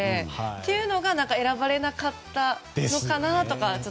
そういうのがあって選ばれなかったのかなと。